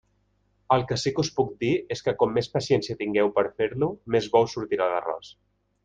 El que sí que us puc dir és que com més paciència tingueu per a fer-lo, més bo us sortirà l'arròs.